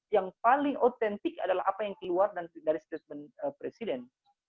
yang paling otentik adalah apa yang keluar dari statement presiden